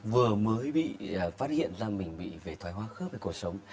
vừa mới bị phát hiện ra mình bị về thoái hóa khớp về cuộc sống